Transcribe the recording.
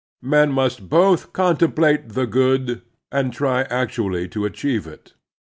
... [Men must] both contemplate the good and try actually to achieve it.